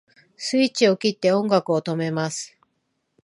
スイッチを切って音楽を止めます